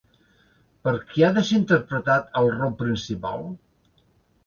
Per qui ha de ser interpretat el rol principal?